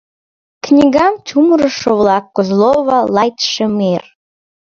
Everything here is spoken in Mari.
Книгам чумырышо-влак Козлова, Лайд Шемйэр